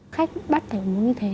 khách bắt phải uống như thế ấy